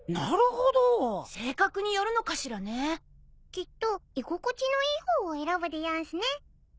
きっと居心地のいい方を選ぶでやんすね。